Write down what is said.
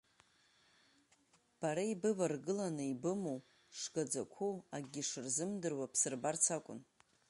Бара ибываргыланы ибымоу шгаӡақәоу, акгьы шырзымдыруа бсырбарц акәын.